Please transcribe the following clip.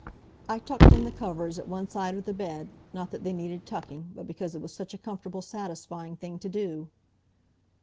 I tucked in the covers at one side of the bed, not that they needed tucking, but because it was such a comfortable, satisfying thing to do.